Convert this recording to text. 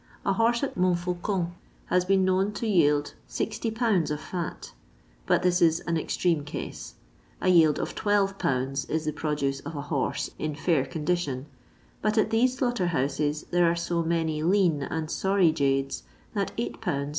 A horse at Montfaucon has been known to yield 60 lbs. of hi, but this is an extreme case ; a yield of 12 lbs. is the produce of a horse in fair condition, bat at these slaughter bouses there are so many lean and sorry jades that 8 lbs.